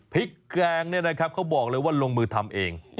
แกงเนี่ยนะครับเขาบอกเลยว่าลงมือทำเอง